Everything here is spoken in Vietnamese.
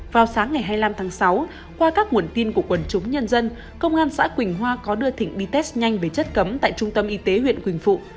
vào sáng ngày hai mươi năm tháng sáu qua các nguồn tin của quần chúng nhân dân công an xã quỳnh hoa có đưa thịnh đi test nhanh về chất cấm tại trung tâm y tế huyện quỳnh phụ